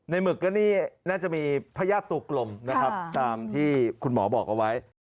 หมึกก็นี่น่าจะมีพญาติตัวกลมนะครับตามที่คุณหมอบอกเอาไว้